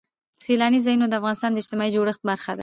سیلانی ځایونه د افغانستان د اجتماعي جوړښت برخه ده.